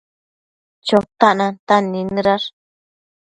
Chotac nantan nidnëdash